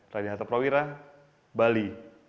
radenata prawira bali